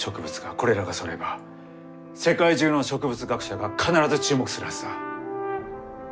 これらがそろえば世界中の植物学者が必ず注目するはずだ。